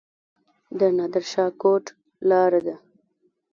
د نادر شاه کوټ لاره ده